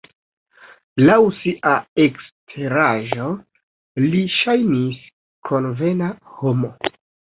Laŭ sia eksteraĵo li ŝajnis konvena homo.